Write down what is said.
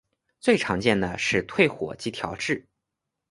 最常见的是退火及调质。